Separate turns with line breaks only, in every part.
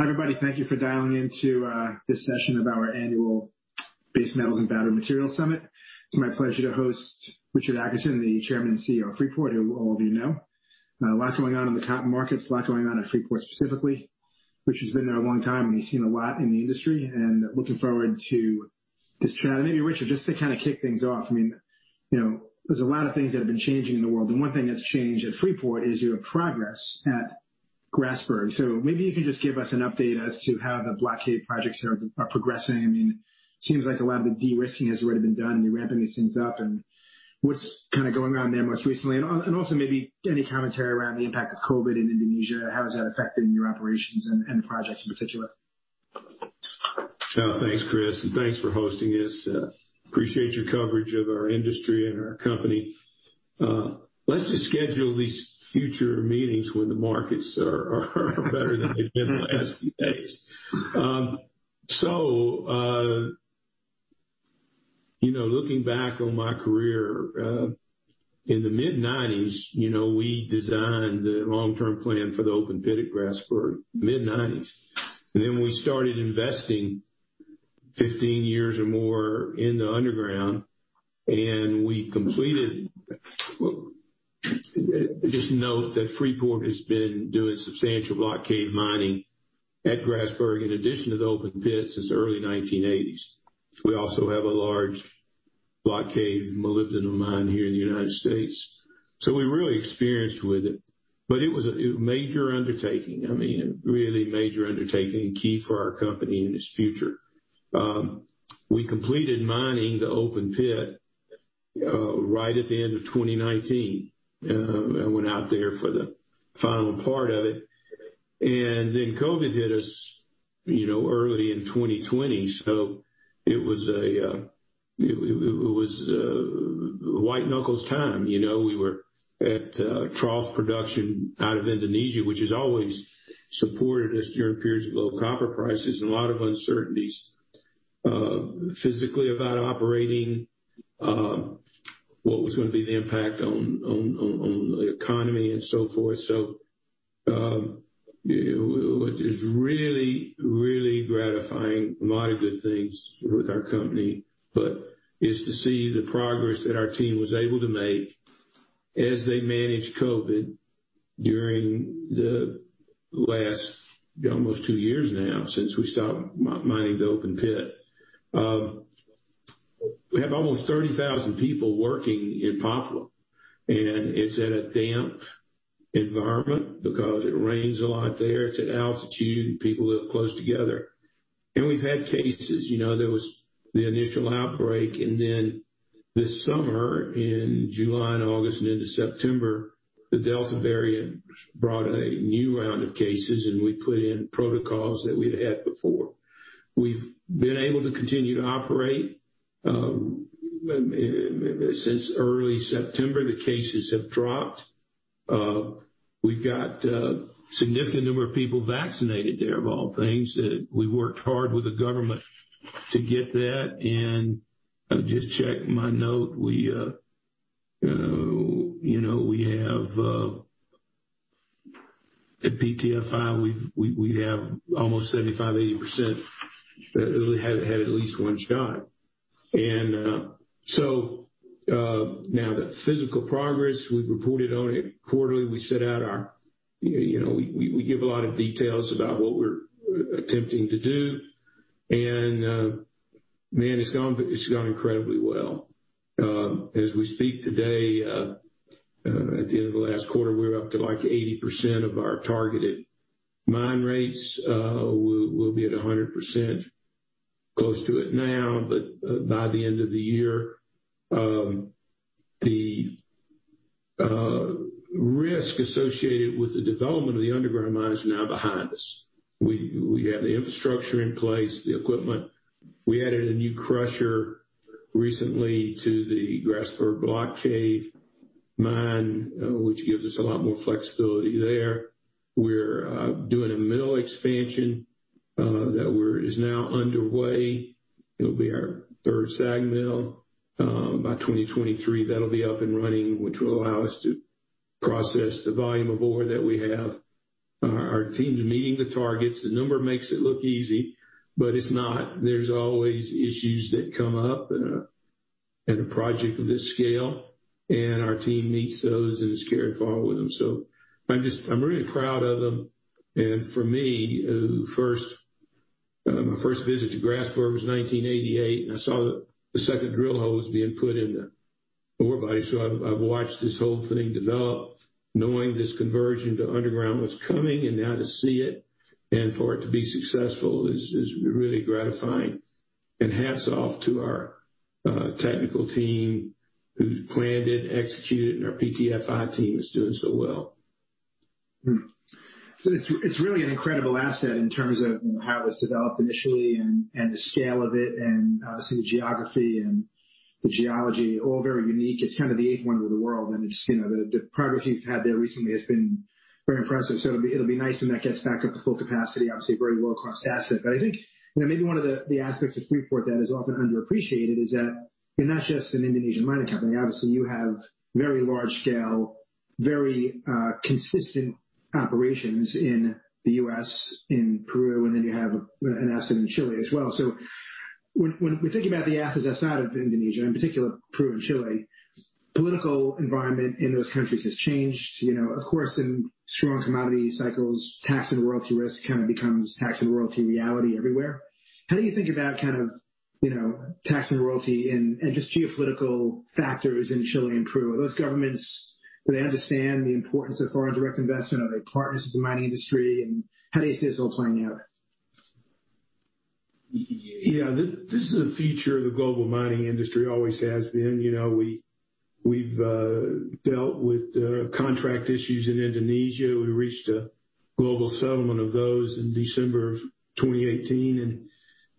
Hi, everybody. Thank you for dialing into this session of our Annual Base Metals and Battery Materials Summit. It's my pleasure to host Richard Adkerson, the Chairman and CEO of Freeport, who all of you know. A lot going on in the copper markets, a lot going on at Freeport specifically. Richard's been there a long time, he's seen a lot in the industry, looking forward to this chat. Richard, just to kind of kick things off, there's a lot of things that have been changing in the world, one thing that's changed at Freeport is your progress at Grasberg. Maybe you can just give us an update as to how the block cave projects there are progressing. It seems like a lot of the de-risking has already been done. You're ramping these things up. What's going on there most recently? Also maybe any commentary around the impact of COVID in Indonesia. How has that affected your operations and the projects in particular?
Thanks, Chris. Thanks for hosting this. Appreciate your coverage of our industry and our company. Let's just schedule these future meetings when the markets are better than they've been the last few days. Looking back on my career, in the mid-1990s, we designed the long-term plan for the open pit at Grasberg, mid-1990s. We started investing 15 years or more in the underground. Just note that Freeport has been doing substantial block cave mining at Grasberg in addition to the open pit since early 1980s. We also have a large block cave molybdenum mine here in the U.S. We're really experienced with it. It was a major undertaking. Really major undertaking, key for our company and its future. We completed mining the open pit right at the end of 2019. I went out there for the final part of it. COVID hit us early in 2020. It was white knuckles time. We were at trough production out of Indonesia, which has always supported us during periods of low copper prices and a lot of uncertainties, physically about operating, what was going to be the impact on the economy and so forth. What is really, really gratifying, a lot of good things with our company, is to see the progress that our team was able to make as they managed COVID during the last almost two years now, since we stopped mining the open pit. We have almost 30,000 people working in Papua. It's in a damp environment because it rains a lot there. It's at altitude. People live close together. We've had cases. There was the initial outbreak. Then this summer in July and August and into September, the Delta variant brought a new round of cases. We put in protocols that we'd had before. We've been able to continue to operate. Since early September, the cases have dropped. We've got a significant number of people vaccinated there, of all things. We worked hard with the government to get that. I just checked my note, at PTFI, we have almost 75%, 80% that have had at least one shot. Now the physical progress, we've reported on it quarterly. We give a lot of details about what we're attempting to do. Mine, it's gone incredibly well. As we speak today, at the end of the last quarter, we were up to like 80% of our targeted mine rates. We'll be at 100%, close to it now, but by the end of the year. The risk associated with the development of the underground mine is now behind us. We have the infrastructure in place, the equipment. We added a new crusher recently to the Grasberg block cave mine, which gives us a lot more flexibility there. We're doing a mill expansion that is now underway. It'll be our third SAG mill. By 2023, that'll be up and running, which will allow us to process the volume of ore that we have. Our team's meeting the targets. The number makes it look easy, but it's not. There's always issues that come up in a project of this scale, and our team meets those and has carried far with them. I'm really proud of them. For me, my first visit to Grasberg was 1988, and I saw the second drill holes being put in the ore body. I've watched this whole thing develop, knowing this conversion to underground was coming, and now to see it and for it to be successful is really gratifying. Hats off to our technical team who's planned it, executed, and our PTFI team is doing so well.
It's really an incredible asset in terms of how it was developed initially and the scale of it and obviously the geography and the geology, all very unique. It's kind of the eighth Wonder of the World. The progress you've had there recently has been very impressive. It'll be nice when that gets back up to full capacity. Obviously, a very low-cost asset. I think maybe one of the aspects of Freeport that is often underappreciated is that you're not just an Indonesian mining company. Obviously, you have very large scale, very consistent operations in the U.S., in Peru, and then you have an asset in Chile as well. When we think about the assets outside of Indonesia, in particular Peru and Chile, political environment in those countries has changed. Of course, in strong commodity cycles, tax and royalty risk kind of becomes tax and royalty reality everywhere. How do you think about tax and royalty and just geopolitical factors in Chile and Peru? Those governments, do they understand the importance of foreign direct investment? Are they partners with the mining industry? How do you see this all playing out?
Yeah. This is the future of the global mining industry, always has been. We've dealt with contract issues in Indonesia. We reached a global settlement of those in December of 2018,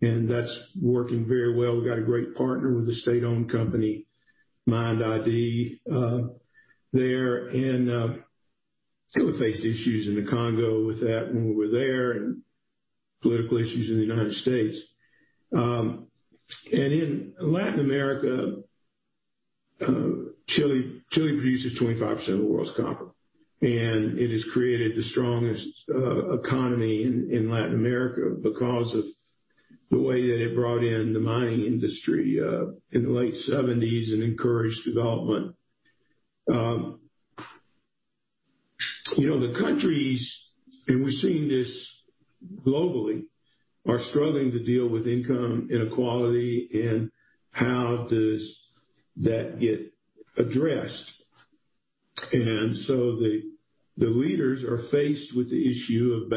and that's working very well. We got a great partner with the state-owned company, MIND ID, there. We faced issues in the Congo with that when we were there, and political issues in the U.S. In Latin America, Chile produces 25% of the world's copper, and it has created the strongest economy in Latin America because of the way that it brought in the mining industry, in the late 1970s and encouraged development. The countries, and we're seeing this globally, are struggling to deal with income inequality and how does that get addressed. The leaders are faced with the issue of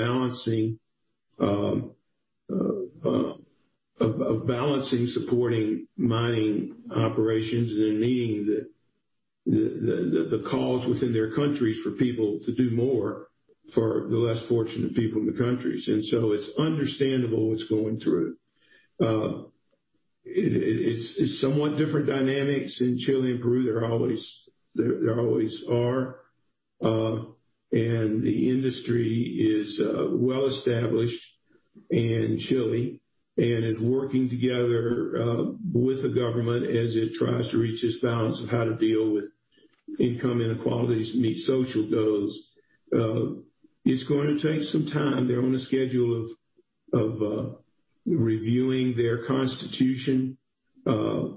balancing supporting mining operations and then meeting the calls within their countries for people to do more for the less fortunate people in the countries. It's understandable what's going through. It's somewhat different dynamics in Chile and Peru. There always are. The industry is well-established in Chile and is working together, with the government as it tries to reach this balance of how to deal with income inequalities to meet social goals. It's going to take some time. They're on a schedule of reviewing their constitution. The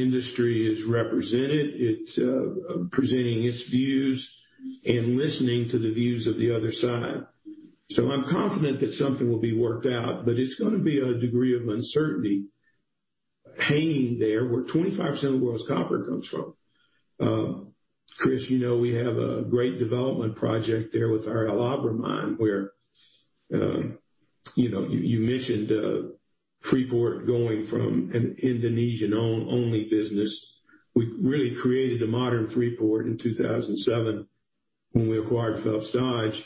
industry is represented. It's presenting its views and listening to the views of the other side. I'm confident that something will be worked out, but it's going to be a degree of uncertainty hanging there where 25% of the world's copper comes from. Chris, you know we have a great development project there with our El Abra mine where you mentioned Freeport going from an Indonesian-only business. We really created the modern Freeport in 2007 when we acquired Phelps Dodge.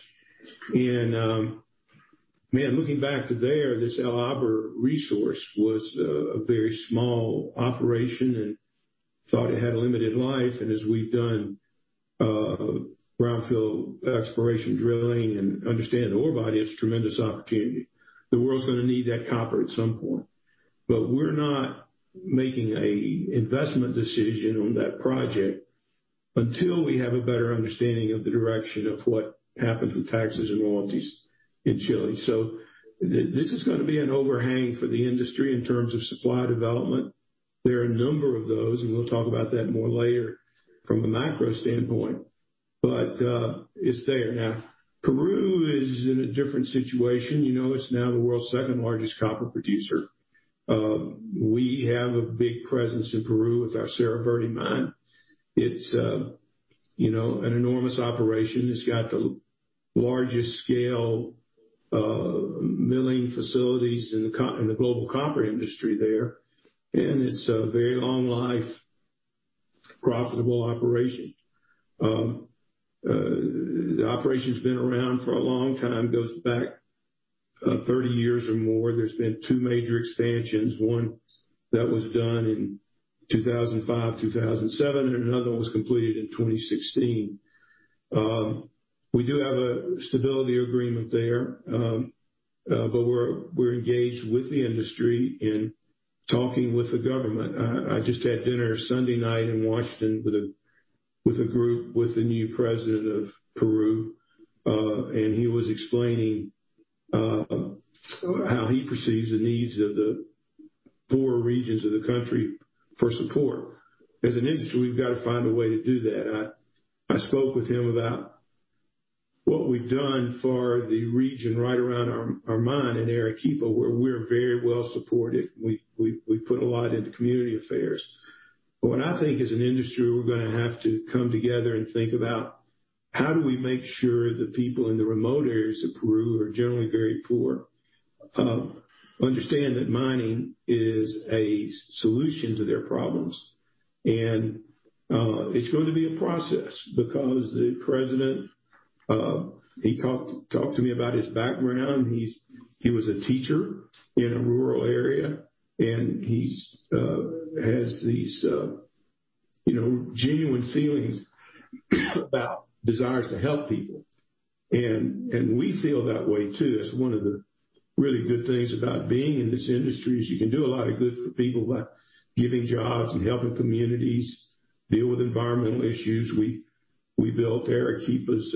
Mine, looking back to there, this El Abra resource was a very small operation and thought it had a limited life. As we've done brownfield exploration drilling and understand the ore body, it's a tremendous opportunity. The world's going to need that copper at some point. We're not making a investment decision on that project until we have a better understanding of the direction of what happens with taxes and royalties in Chile. This is going to be an overhang for the industry in terms of supply development. There are a number of those, and we'll talk about that more later from the macro standpoint. It's there. Peru is in a different situation. It's now the world's second-largest copper producer. We have a big presence in Peru with our Cerro Verde mine. It's an enormous operation. It's got the largest scale milling facilities in the global copper industry there, and it's a very long life, profitable operation. The operation's been around for a long time. It goes back 30 years or more. There's been two major expansions, one that was done in 2005, 2007, and another one was completed in 2016. We do have a stability agreement there, but we're engaged with the industry in talking with the government. I just had dinner Sunday night in Washington with a group, with the new president of Peru. He was explaining how he perceives the needs of the poor regions of the country for support. As an industry, we've got to find a way to do that. I spoke with him about what we've done for the region right around our mine in Arequipa, where we're very well supported. We put a lot into community affairs. What I think as an industry, we're going to have to come together and think about how do we make sure the people in the remote areas of Peru, who are generally very poor, understand that mining is a solution to their problems. It's going to be a process because the president, he talked to me about his background. He was a teacher in a rural area, and he has these genuine feelings about desires to help people. We feel that way, too. That's one of the really good things about being in this industry, is you can do a lot of good for people by giving jobs and helping communities deal with environmental issues. We built Arequipa's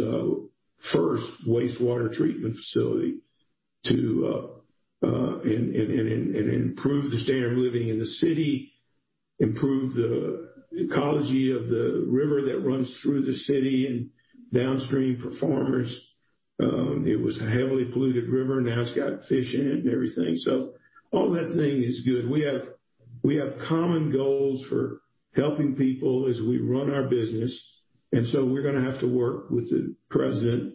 first wastewater treatment facility to improve the standard of living in the city, improve the ecology of the river that runs through the city and downstream for farmers. It was a heavily polluted river. Now it's got fish in it and everything. All that thing is good. We have common goals for helping people as we run our business, we're going to have to work with the President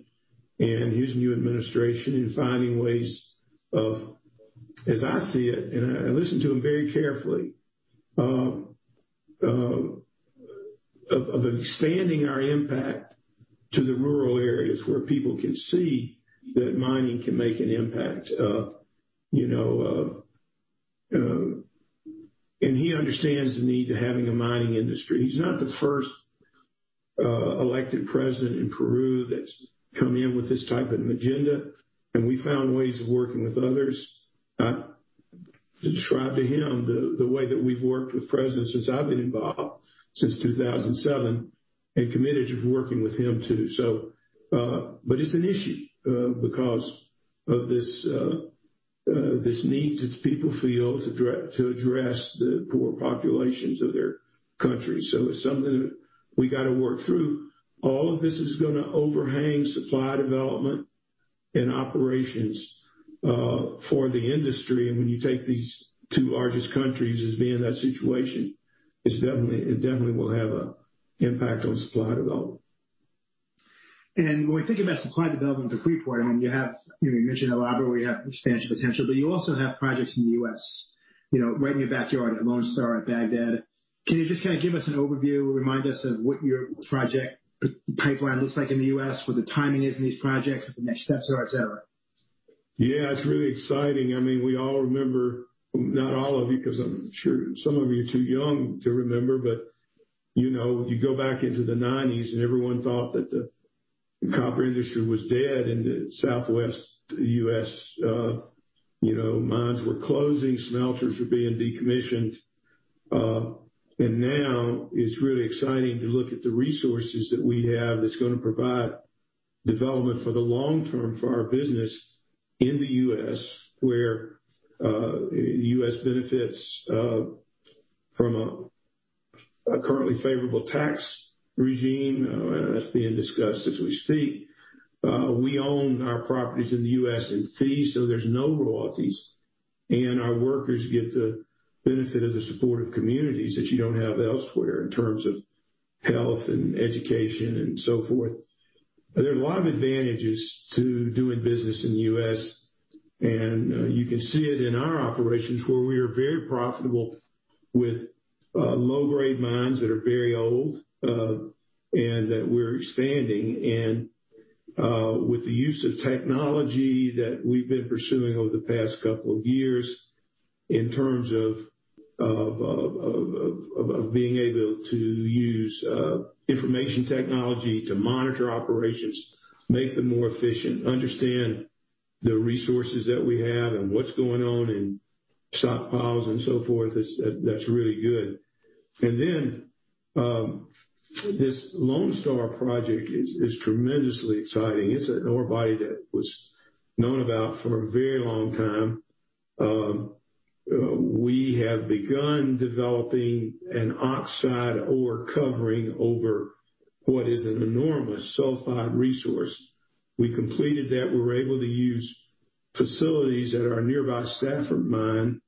and his new administration in finding ways of, as I see it, and I listen to him very carefully, of expanding our impact to the rural areas where people can see that mining can make an impact. He understands the need to having a mining industry. He's not the first elected President in Peru that's come in with this type of an agenda, and we found ways of working with others. I described to him the way that we've worked with presidents since I've been involved, since 2007, and committed to working with him too. It's an issue because of this need that people feel to address the poor populations of their country. It's something that we got to work through. All of this is going to overhang supply development and operations for the industry. When you take these two largest countries as being in that situation, it definitely will have an impact on supply development.
When we think about supply development for Freeport, I mean, you mentioned El Abra, where you have substantial potential, but you also have projects in the U.S., right in your backyard at Lone Star at Bagdad. Can you just give us an overview, remind us of what your project pipeline looks like in the U.S., where the timing is in these projects, what the next steps are, et cetera?
Yeah, it's really exciting. We all remember, not all of you, because I'm sure some of you are too young to remember, but if you go back into the 1990s and everyone thought that the copper industry was dead in the Southwest U.S. Mines were closing, smelters were being decommissioned. Now it's really exciting to look at the resources that we have that's going to provide development for the long-term for our business in the U.S., where U.S. benefits from a currently favorable tax regime that's being discussed as we speak. We own our properties in the U.S. in fee, so there's no royalties, and our workers get the benefit of the supportive communities that you don't have elsewhere in terms of health and education and so forth. There are a lot of advantages to doing business in the U.S., and you can see it in our operations, where we are very profitable with low-grade mines that are very old, and that we're expanding. With the use of technology that we've been pursuing over the past couple of years in terms of being able to use information technology to monitor operations, make them more efficient, understand the resources that we have and what's going on in stockpiles and so forth, that's really good. Then, this Lone Star project is tremendously exciting. It's an ore body that was known about for a very long time. We have begun developing an oxide ore covering over what is an enormous sulfide resource. We completed that. We were able to use facilities at our nearby Safford mine,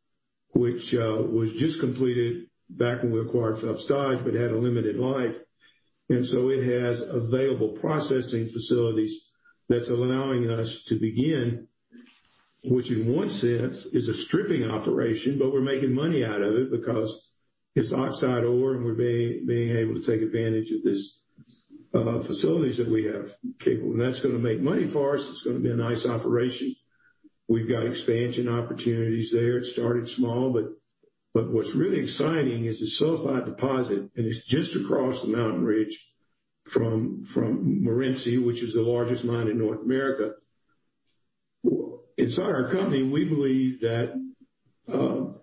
which was just completed back when we acquired Phelps Dodge, but had a limited life. It has available processing facilities that is allowing us to begin, which in one sense is a stripping operation, but we are making money out of it because it is oxide ore, and we are being able to take advantage of these facilities that we have capable. That is going to make money for us. It is going to be a nice operation. We have got expansion opportunities there. It started small, but what is really exciting is the sulfide deposit, and it is just across the mountain ridge from Morenci, which is the largest mine in North America. Inside our company, we believe that Lone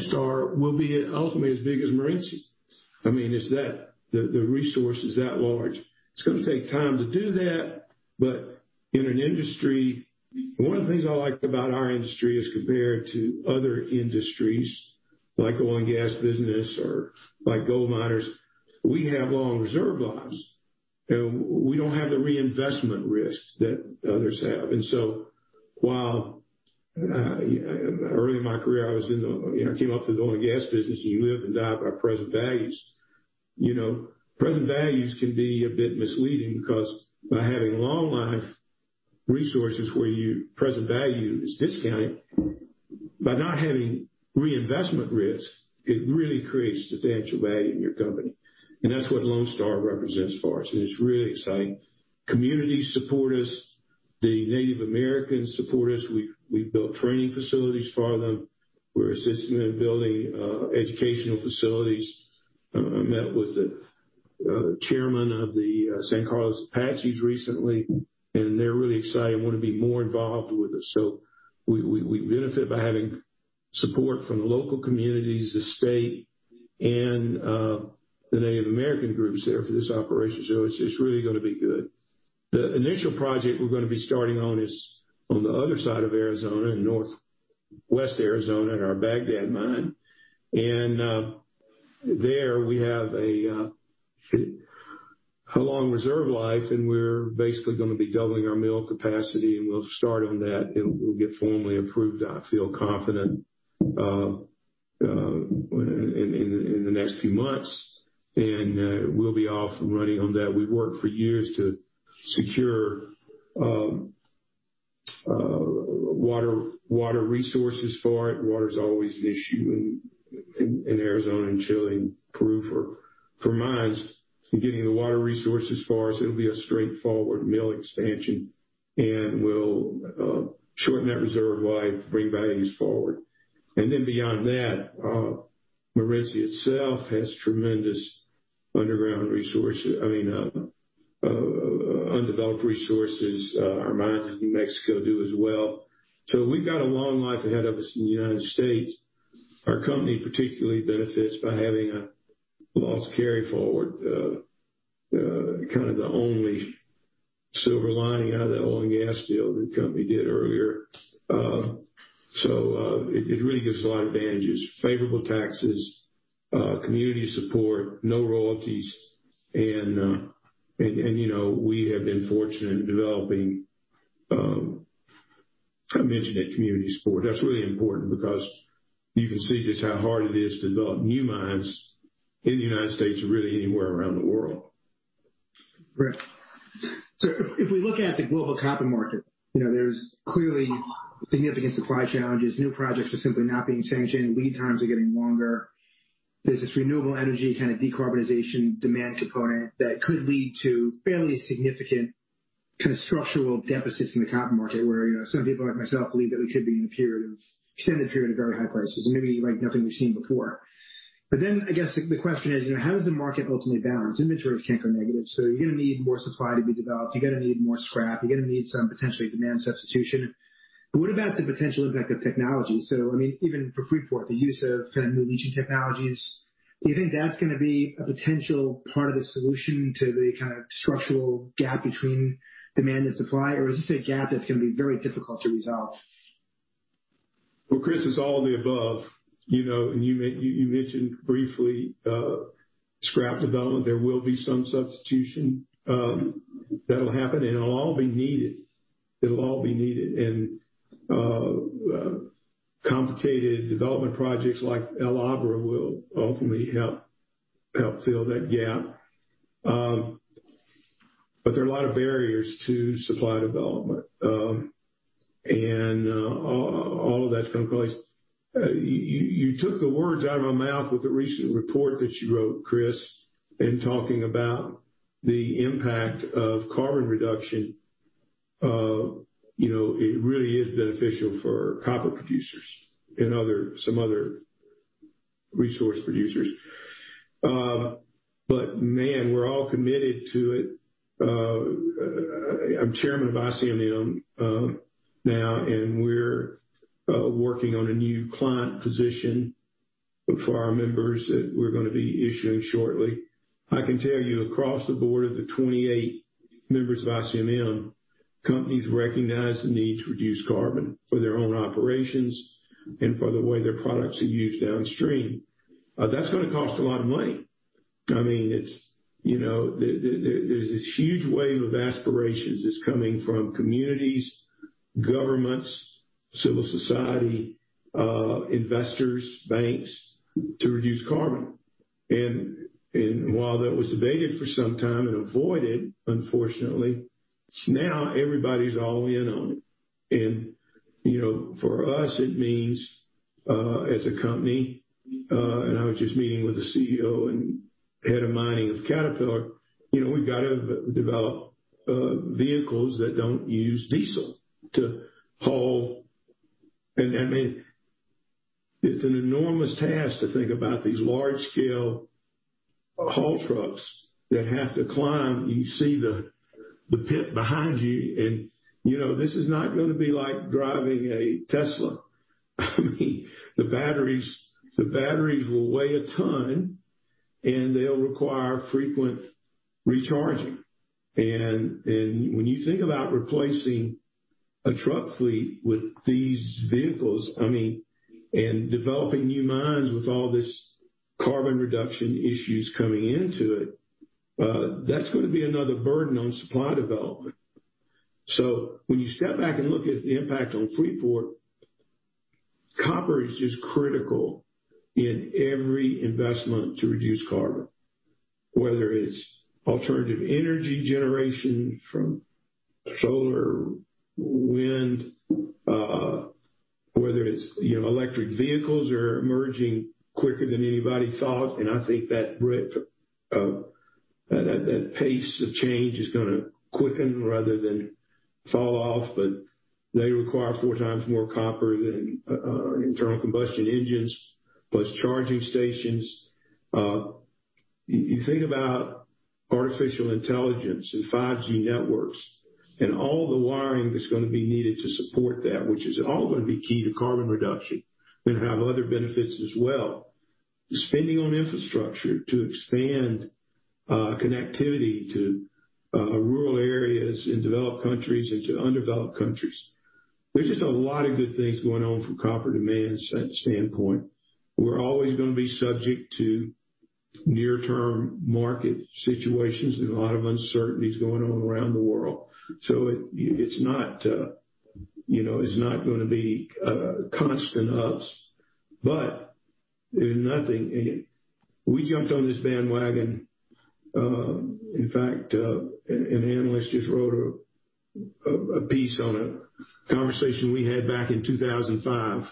Star will be ultimately as big as Morenci. I mean, the resource is that large. It's going to take time to do that. In an industry, one of the things I like about our industry as compared to other industries, like oil and gas business or like gold miners, we have long reserve lives, and we don't have the reinvestment risks that others have. While early in my career, I came up through the oil and gas business, and you live and die by present values. Present values can be a bit misleading because by having long life resources where your present value is discounted, by not having reinvestment risks, it really creates substantial value in your company. That's what Lone Star represents for us, and it's really exciting. Communities support us. The Native Americans support us. We've built training facilities for them. We're assisting them in building educational facilities. I met with the Chairman of the San Carlos Apaches recently. They're really excited and want to be more involved with us. We benefit by having support from the local communities, the state, and the Native American groups there for this operation. It's just really going to be good. The initial project we're going to be starting on is on the other side of Arizona, in Northwest Arizona, in our Bagdad mine. There we have a long reserve life, and we're basically going to be doubling our mill capacity, and we'll start on that, and we'll get formally approved, I feel confident, in the next few months. We'll be off and running on that. We've worked for years to secure water resources for it. Water's always an issue in Arizona and Chile and Peru for mines. Getting the water resources for us, it'll be a straightforward mill expansion, and we'll shorten that reserve life, bring values forward. Beyond that, Morenci itself has tremendous underground resources-- undeveloped resources. Our mines in New Mexico do as well. We've got a long life ahead of us in the United States. Our company particularly benefits by having a loss carry-forward, kind of the only silver lining out of that oil and gas deal the company did earlier. It really gives a lot of advantages. Favorable taxes, community support, no royalties, and we have been fortunate in developing I mentioned that community support. That's really important because you can see just how hard it is to develop new mines in the United States or really anywhere around the world.
Right. If we look at the global copper market, there's clearly significant supply challenges. New projects are simply not being sanctioned. Lead times are getting longer. There's this renewable energy kind of decarbonization demand component that could lead to fairly significant kind of structural deficits in the copper market, where some people, like myself, believe that we could be in an extended period of very high prices and maybe like nothing we've seen before. I guess the question is, how does the market ultimately balance? Inventories can't go negative, so you're going to need more supply to be developed. You're going to need more scrap. You're going to need some potentially demand substitution. What about the potential impact of technology? Even for Freeport, the use of kind of new leaching technologies, do you think that's going to be a potential part of the solution to the kind of structural gap between demand and supply, or is this a gap that's going to be very difficult to resolve?
Well, Chris, it's all of the above. You mentioned briefly scrap development. There will be some substitution that'll happen, and it'll all be needed. It'll all be needed. Complicated development projects like El Abra will ultimately help fill that gap. There are a lot of barriers to supply development. You took the words out of my mouth with the recent report that you wrote, Chris, in talking about the impact of carbon reduction. It really is beneficial for copper producers and some other resource producers. Man, we're all committed to it. I'm Chairman of ICMM now, and we're working on a new climate position for our members that we're going to be issuing shortly. I can tell you across the board of the 28 members of ICMM, companies recognize the need to reduce carbon for their own operations and for the way their products are used downstream. That's going to cost a lot of money. There's this huge wave of aspirations that's coming from communities, governments, civil society, investors, banks to reduce carbon. While that was debated for some time and avoided, unfortunately, now everybody's all in on it. For us, it means, as a company, I was just meeting with the CEO and Head of Mining of Caterpillar, we've got to develop vehicles that don't use diesel to haul. It's an enormous task to think about these large-scale haul trucks that have to climb. You see the pit behind you, and this is not going to be like driving a Tesla. The batteries will weigh a ton, and they'll require frequent recharging. When you think about replacing a truck fleet with these vehicles, and developing new mines with all these carbon reduction issues coming into it, that's going to be another burden on supply development. When you step back and look at the impact on Freeport, copper is just critical in every investment to reduce carbon, whether it's alternative energy generation from solar, wind, whether it's electric vehicles are emerging quicker than anybody thought. I think that pace of change is going to quicken rather than fall off. They require four times more copper than internal combustion engines, plus charging stations. You think about artificial intelligence and 5G networks and all the wiring that's going to be needed to support that, which is all going to be key to carbon reduction and have other benefits as well. Spending on infrastructure to expand connectivity to rural areas in developed countries and to undeveloped countries. There's just a lot of good things going on from a copper demand standpoint. We're always going to be subject to near-term market situations. There's a lot of uncertainties going on around the world. It's not going to be constant ups, but there's nothing we jumped on this bandwagon. In fact, an analyst just wrote a piece on a conversation we had back in 2005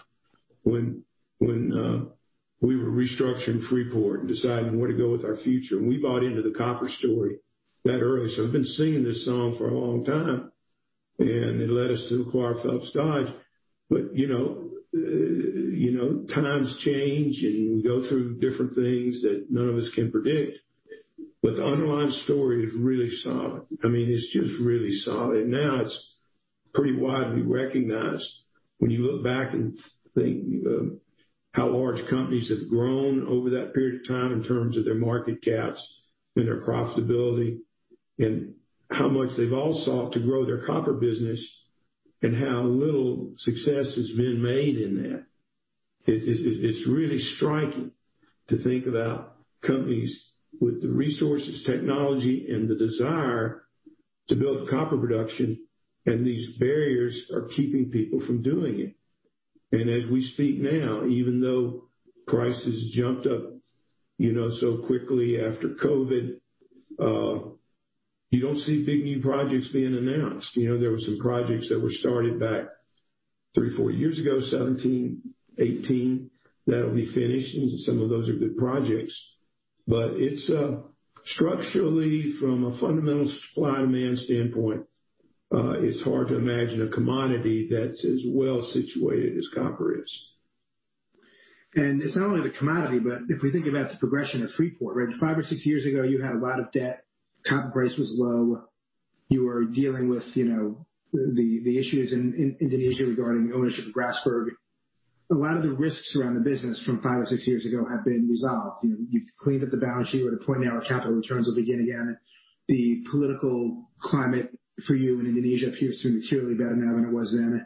when we were restructuring Freeport and deciding where to go with our future, and we bought into the copper story that early. We've been singing this song for a long time, and it led us through acquire Phelps Dodge. Times changing, and we go through different things that none of us can predict. The underlying story is really solid. I mean, it's just really solid. Now it's pretty widely recognized when you look back and think how large companies have grown over that period of time in terms of their market caps and their profitability, and how much they've all sought to grow their copper business and how little success has been made in that. It's really striking to think about companies with the resources, technology, and the desire to build copper production, and these barriers are keeping people from doing it. As we speak now, even though prices jumped up so quickly after COVID, you don't see big new projects being announced. There were some projects that were started back three, four years ago, 2017, 2018, that will be finished, and some of those are good projects. Structurally, from a fundamental supply and demand standpoint, it's hard to imagine a commodity that's as well situated as copper is.
It's not only the commodity, but if we think about the progression of Freeport, right? five or six years ago, you had a lot of debt. Copper price was low. You were dealing with the issues in Indonesia regarding the ownership of Grasberg. A lot of the risks around the business from five or six years ago have been resolved. You've cleaned up the balance sheet. You were deploying our capital returns again. The political climate for you in Indonesia appears to be materially better now than it was then.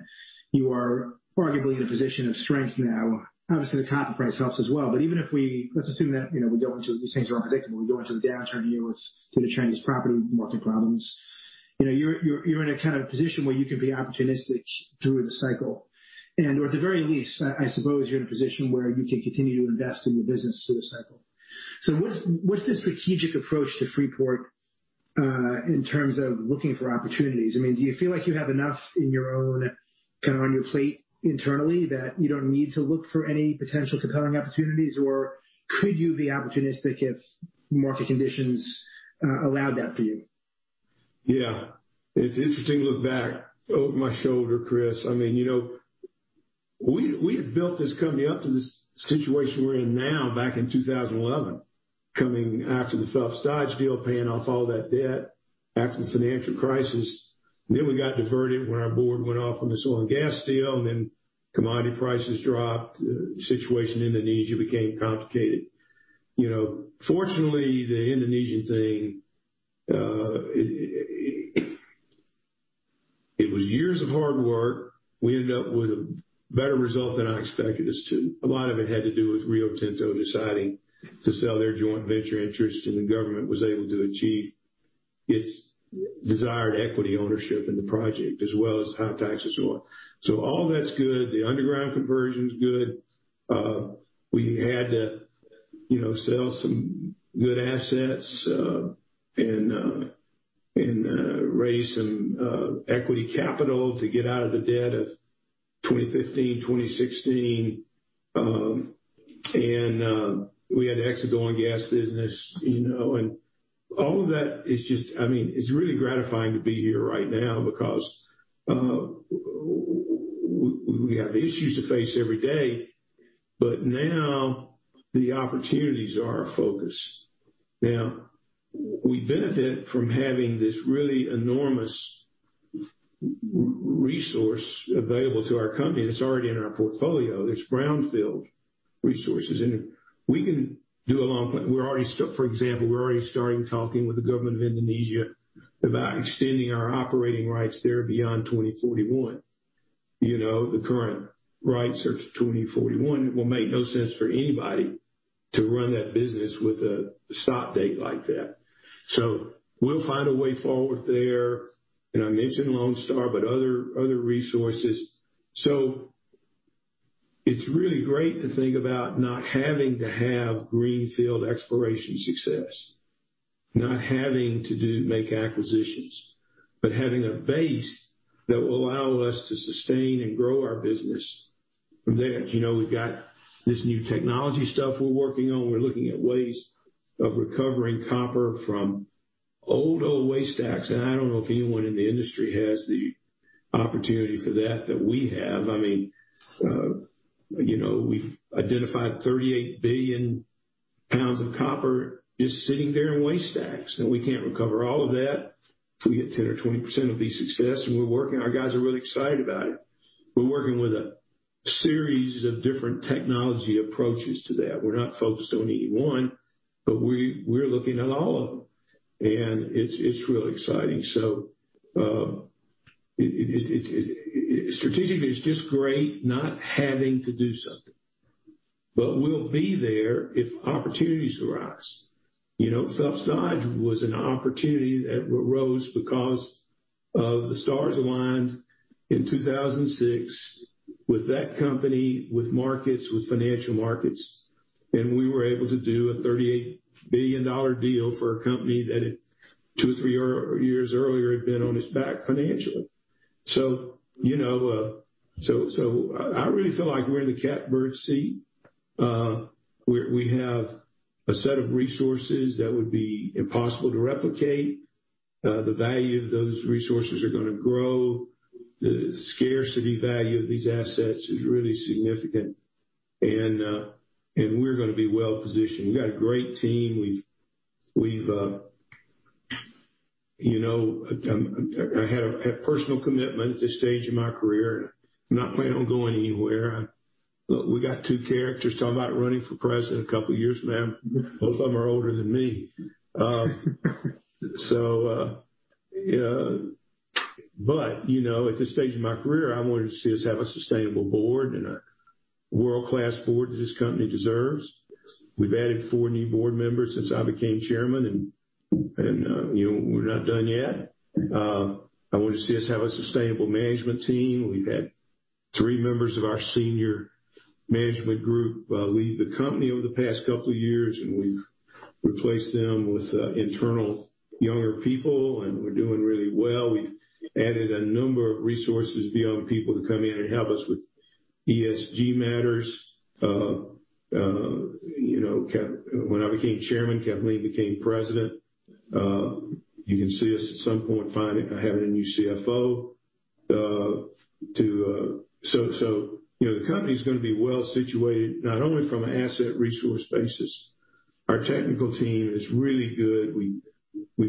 You are arguably in a position of strength now. Obviously, the copper price helps as well. Let's assume that these things are unpredictable. We go into a downturn here with the Chinese property market problems. You're in a kind of position where you can be opportunistic through the cycle, and, or at the very least, I suppose you're in a position where you can continue to invest in your business through the cycle. What's the strategic approach to Freeport-McMoRan, in terms of looking for opportunities? I mean, do you feel like you have enough on your plate internally that you don't need to look for any potential compelling opportunities, or could you be opportunistic if market conditions allowed that for you?
Yeah. It's interesting to look back over my shoulder, Chris. I mean, we had built this company up to this situation we're in now back in 2011, coming after the Phelps Dodge deal, paying off all that debt after the financial crisis. We got diverted when our board went off on this oil and gas deal, and then commodity prices dropped. The situation in Indonesia became complicated. Fortunately, the Indonesian thing, it was years of hard work. We ended up with a better result than I expected us to. A lot of it had to do with Rio Tinto deciding to sell their joint venture interest, and the government was able to achieve its desired equity ownership in the project as well as high taxes and whatnot. All that's good. The underground conversion's good. We had to sell some good assets, and raise some equity capital to get out of the debt of 2015, 2016. We had to exit the oil and gas business. All of that is just, I mean, it's really gratifying to be here right now because we have issues to face every day. Now the opportunities are our focus. Now, we benefit from having this really enormous resource available to our company that's already in our portfolio. It's brownfield resources, and we can do a long plan. For example, we're already starting talking with the government of Indonesia about extending our operating rights there beyond 2041. The current rights are to 2041. It will make no sense for anybody to run that business with a stop date like that. We'll find a way forward there. I mentioned Lone Star, but other resources. It's really great to think about not having to have greenfield exploration success, not having to make acquisitions, but having a base that will allow us to sustain and grow our business from there. We've got this new technology stuff we're working on. We're looking at ways of recovering copper from old waste stacks. I don't know if anyone in the industry has the opportunity for that we have. We've identified 38,000,000,000 lbs of copper just sitting there in waste stacks, and we can't recover all of that. If we get 10% or 20% of these success, and our guys are really excited about it. We're working with a series of different technology approaches to that. We're not focused on any one, but we're looking at all of them, and it's really exciting. Strategically, it's just great not having to do something. We'll be there if opportunities arise. Phelps Dodge was an opportunity that arose because of the stars aligned in 2006 with that company, with markets, with financial markets. We were able to do a $38 billion deal for a company that two or three years earlier had been on its back financially. I really feel like we're in the catbird seat. We have a set of resources that would be impossible to replicate. The value of those resources are going to grow. The scarcity value of these assets is really significant, and we're going to be well-positioned. We've got a great team. I have personal commitment at this stage in my career. I'm not planning on going anywhere. We got two characters talking about running for president a couple years from now. Both of them are older than me. At this stage in my career, I wanted to see us have a sustainable board and a world-class board that this company deserves. We've added four new board members since I became Chairman, and we're not done yet. I want to see us have a sustainable management team. We've had three members of our senior management group leave the company over the past couple of years, and we've replaced them with internal younger people, and we're doing really well. We've added a number of resources beyond people to come in and help us with ESG matters. When I became Chairman, Kathleen became President. You can see us at some point having a new CFO. The company's going to be well-situated, not only from an asset resource basis. Our technical team is really good. We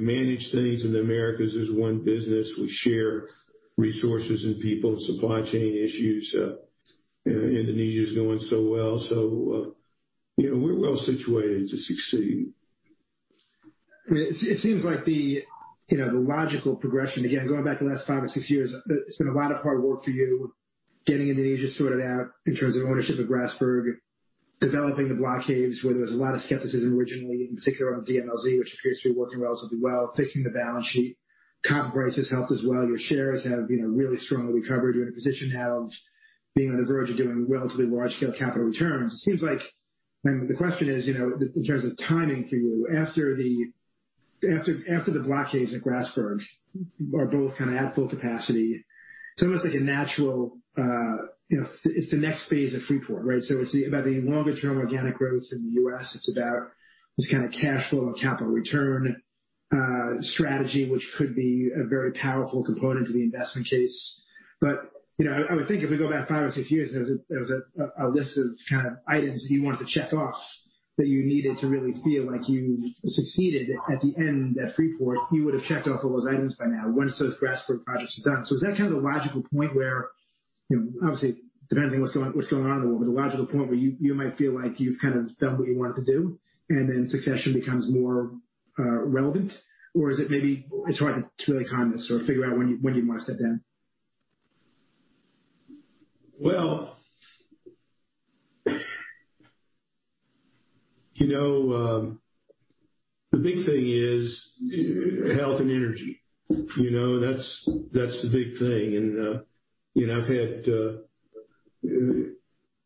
manage things in the Americas as `one business. We share resources and people, supply chain issues. Indonesia is going so well. We're well-situated to succeed.
It seems like the logical progression, again, going back the last five or six years, it's been a lot of hard work for you getting Indonesia sorted out in terms of ownership of Grasberg, developing the block caves, where there was a lot of skepticism originally, in particular on the DMLZ, which appears to be working relatively well, fixing the balance sheet. Copper prices helped as well. Your shares have really strongly recovered. You're in a position now of being on the verge of doing relatively large-scale capital returns. The question is, in terms of timing for you, after the block caves at Grasberg are both kind of at full capacity, it's almost like a natural, it's the next phase of Freeport, right? It's about the longer-term organic growth in the U.S. It's about this kind of cash flow and capital return strategy, which could be a very powerful component to the investment case. I would think if we go back five or six years, there was a list of kind of items that you wanted to check off that you needed to really feel like you succeeded at the end at Freeport. You would have checked off all those items by now once those Grasberg projects are done. Is that kind of the logical point where, obviously, depending on what's going on in the world, but the logical point where you might feel like you've kind of done what you wanted to do, and then succession becomes more relevant? Is it maybe it's hard to really time this or figure out when you'd want to step down?
The big thing is health and energy. That's the big thing. I've had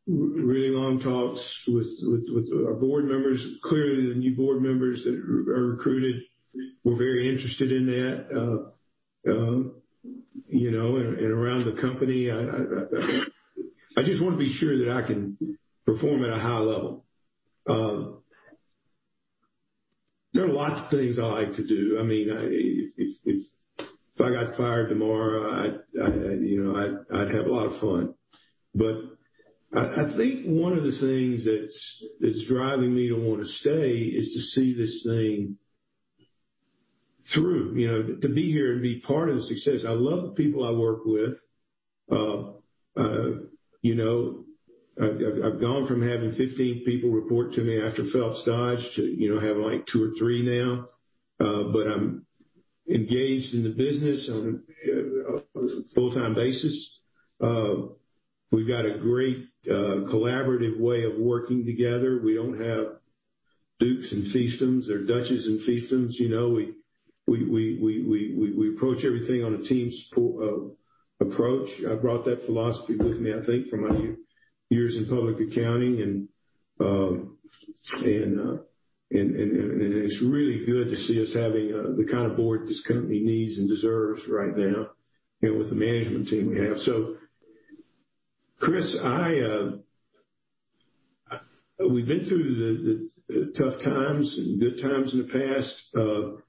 really long talks with our board members. Clearly, the new board members that are recruited were very interested in that. Around the company, I just want to be sure that I can perform at a high level. There are lots of things I like to do. If I got fired tomorrow, I'd have a lot of fun. I think one of the things that's driving me to want to stay is to see this thing through, to be here and be part of the success. I love the people I work with. I've gone from having 15 people report to me after Phelps Dodge to have two or three now. I'm engaged in the business on a full-time basis. We've got a great collaborative way of working together. We don't have dukes and fiefdoms or duchess and fiefdoms. We approach everything on a team approach. I brought that philosophy with me, I think, from my years in public accounting, and it's really good to see us having the kind of board this company needs and deserves right now and with the management team we have. Chris, we've been through the tough times and good times in the past,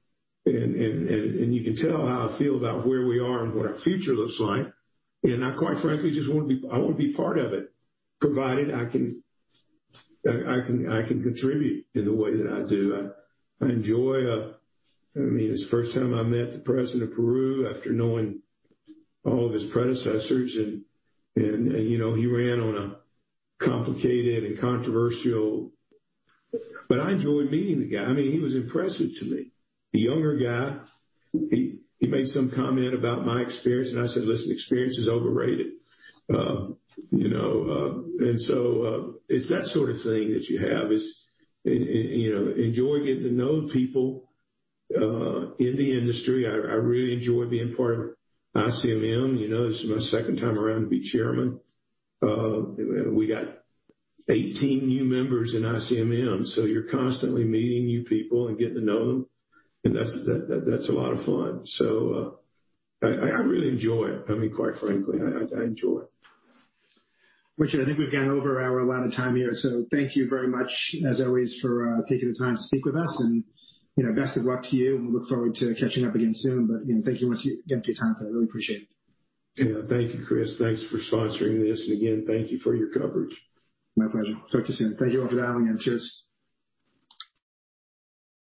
and you can tell how I feel about where we are and what our future looks like. I quite frankly just want to be part of it, provided I can contribute in the way that I do. I enjoy. It's the first time I met the President of Peru after knowing all of his predecessors. I enjoyed meeting the guy. He was impressive to me, a younger guy. He made some comment about my experience, and I said, Listen, experience is overrated. It's that sort of thing that you have is enjoy getting to know the people in the industry. I really enjoy being part of ICMM. This is my second time around to be chairman. We got 18 new members in ICMM, so you're constantly meeting new people and getting to know them, and that's a lot of fun. I really enjoy it. Quite frankly, I enjoy it.
Richard, I think we've gone over our allotted time here, so thank you very much, as always, for taking the time to speak with us, and best of luck to you, and we look forward to catching up again soon. Again, thank you once again for your time today. I really appreciate it.
Thank you, Chris. Thanks for sponsoring this. Again, thank you for your coverage.
My pleasure. Talk to you soon. Thank you all for dialing in. Cheers.